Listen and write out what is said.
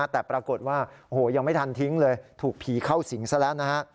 แต่ปรากฏว่ายังไม่ทันทิ้งเลยถูกผีเข้าสิงซะแล้วนะฮะ